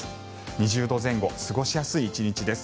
２０度前後過ごしやすい１日です。